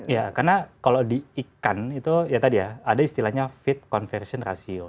ya karena kalau di ikan itu ya tadi ya ada istilahnya feed conversion ratio